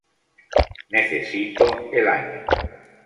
Necesito el año